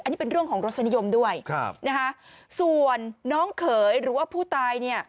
อันนี้เป็นเรื่องของรสนิยมด้วยส่วนน้องเขยหรือว่าผู้ตาย